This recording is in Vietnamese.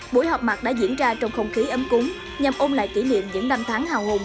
buổi họp mặt đã diễn ra trong không khí ấm cúng nhằm ôm lại kỷ niệm những năm tháng hào hùng